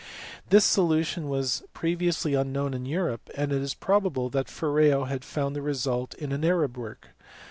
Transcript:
This solu tion was previously unknown in Europe, and it is probable that Ferreo had found the result in an Arab work.